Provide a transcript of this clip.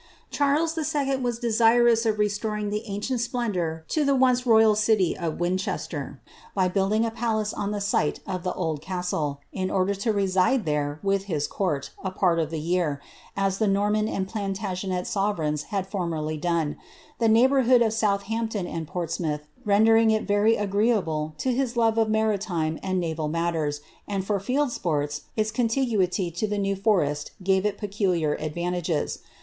Charles II. was dcs»irous of restoring the ancient splendour to the oDce royal city of Wincliester, by building a palace on the site of the old castle, ui order to reside there with his court a part of the year, as the Norman and Plantagenei sovereigns had fonnerly done, the neighboiff h'^od of Southampton and Portsmouth rendering it very agreeable to hie love of maritime and naval matters, and for fleld sports its contiguity to tile New Forest gave it peculiar ad^'antages.